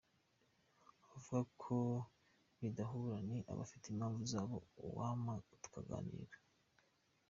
Abavuga ko bidahura ni abafite impamvu zabo, uwampa tukaganira.